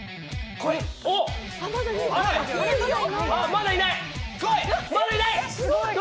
まだいない！